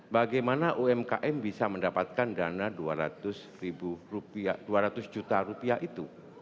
bagaimana umkm bisa mendapatkan dana dua ratus juta rupiah itu